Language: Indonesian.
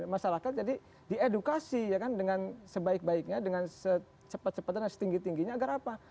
masyarakat jadi diedukasi dengan sebaik baiknya dengan secepat cepatan setinggi tingginya agar apa